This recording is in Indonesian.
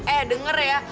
eh denger ya